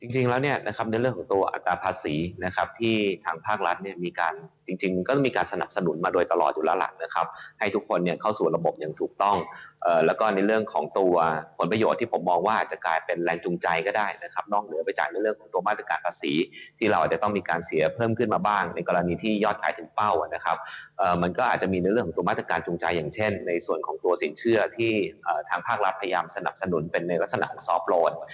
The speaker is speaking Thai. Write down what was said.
จริงแล้วเนี่ยนะครับในเรื่องของตัวอัตราภาษีนะครับที่ทางภาครัฐมีการจริงก็มีการสนับสนุนมาโดยตลอดอยู่ละหลังนะครับให้ทุกคนเนี่ยเข้าสู่ระบบอย่างถูกต้องแล้วก็ในเรื่องของตัวผลประโยชน์ที่ผมมองว่าจะกลายเป็นแรงจุงใจก็ได้นะครับนอกเหลือไปจ่ายในเรื่องของตัวมาตรการภาษีที่เราอาจจะต้องมีการ